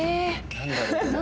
何だろうね。